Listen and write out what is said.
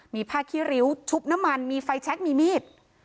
มีผ้าขี้ริ้วชุบน้ำมันมีไฟแช็คมีมีด